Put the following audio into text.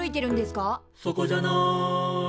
「そこじゃない」